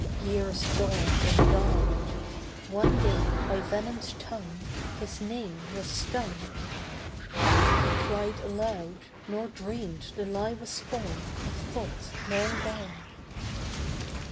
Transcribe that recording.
Years dawned and died. One day by venom's tongue His name was stung. He cried aloud, nor dreamed the lie was spawn Of thoughts long gone.